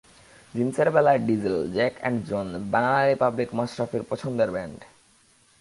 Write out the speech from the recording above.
জিনসের বেলায় Diesel, Jack and Jones, banana republic মাশরাফির পছন্দের ব্র্যান্ড।